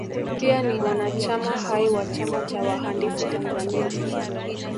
Pia ni mwanachama hai wa chama cha wahandisi Tanzania